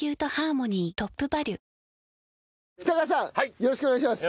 よろしくお願いします。